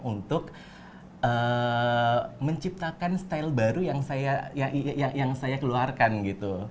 untuk menciptakan style baru yang saya keluarkan gitu